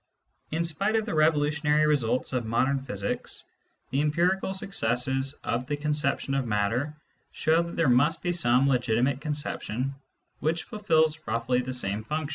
In spite of the revolutionary results of modern physics, the empirical successes of the conception of matter show that there must be some legiti mate conception which fulfils roughly the same functions.